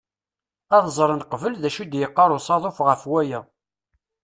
Ad ẓren qbel d acu i d-yeqqar usaḍuf ɣef waya.